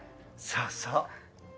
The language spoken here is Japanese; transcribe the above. そうそう。